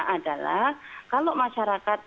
adalah kalau masyarakat